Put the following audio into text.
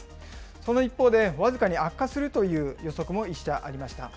その一方で、僅かに悪化するという予測も１社ありました。